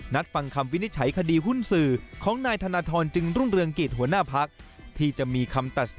นัดฟังคำวินิจฉัยคดีหุ้นสื่อของนายธนทรจึงรุ่นเรืองกิจหัวหน้าพัก